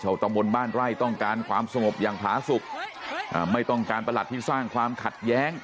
ตำบลบ้านไร่ต้องการความสงบอย่างผาสุขอ่าไม่ต้องการประหลัดที่สร้างความขัดแย้ง